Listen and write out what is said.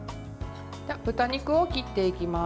豚肉を切っていきます。